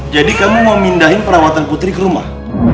jadi kamu mau pindahin perawatan putri ke rumah